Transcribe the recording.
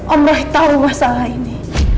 omroh tau masalah ini